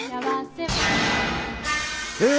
え！？